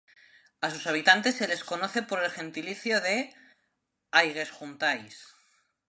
A sus habitantes se les conoce por el gentilicio "Aigues-Juntais".